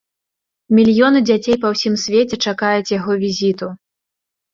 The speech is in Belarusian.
Мільёны дзяцей па ўсім свеце чакаюць яго візіту.